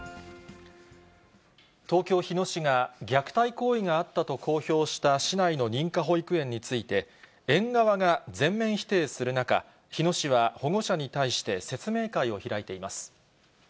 東京・日野市が虐待行為があったと公表した市内の認可保育園について、園側が全面否定する中、日野市は保護者に対して説明会を開いています。